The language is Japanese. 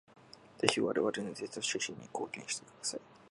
ぜひ我々のデータ収集に貢献してください。